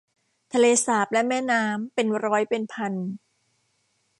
ทะเลสาบและแม่น้ำ เป็นร้อยเป็นพัน